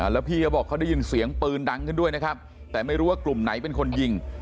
แล้วพี่เขาบอกเขาได้ยินเสียงปืนดังขึ้นด้วยนะครับแต่ไม่รู้ว่ากลุ่มไหนเป็นคนยิง